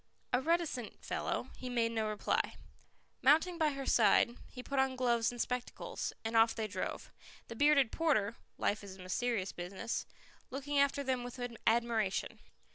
A reticent fellow, he made no reply. Mounting by her side, he put on gloves and spectacles, and off they drove, the bearded porter life is a mysterious business looking after them with admiration.